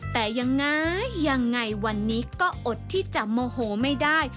แต่ยังไงยังไงวันนี้ก็อดที่จะโมโหไม่ได้